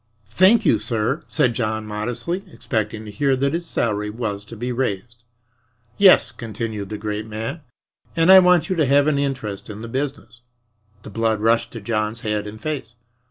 "Thank you, sir," said John modestly, expecting to hear that his salary was to be raised. "Yes," continued the great man. "And I want you to have an interest in the business." The blood rushed to John's head and face.